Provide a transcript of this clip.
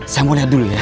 saya mau lihat dulu ya